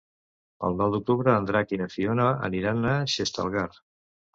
El nou d'octubre en Drac i na Fiona aniran a Xestalgar.